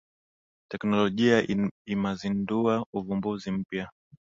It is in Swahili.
Teknologia imazindua uvumbuzi mpya.